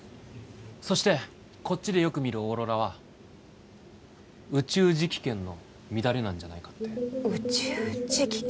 そしてこっちでよく見るオーロラは宇宙磁気圏の乱れなんじゃないかって宇宙磁気圏？